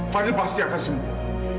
fadil pasti akan sembuh